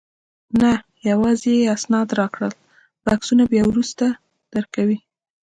نه، یوازې اسناد یې راکړل، بکسونه بیا وروسته درکوي.